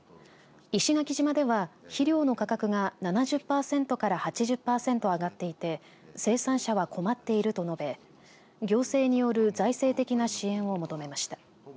石垣島では肥料の価格が７０パーセントから８０パーセント上がっていて生産者は困っていると述べ行政による財政的な支援を求めました。